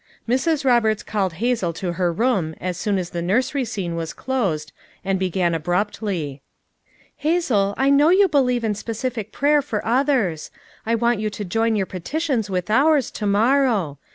Mrs. Roberts called Hazel to her room as soon as the nursery scene was closed and began abruptly : "Hazel, I know you believe in specific prayer for others; I want you to join your petitions with ours, to morrow.